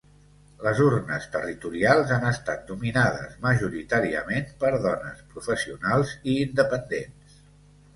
Les urnes territorials han estat dominades majoritàriament per dones, professionals i independents.